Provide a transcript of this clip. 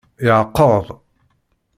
Iɛeqqeḍ.